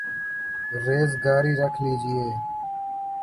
ریزگاری رکھ لیجئے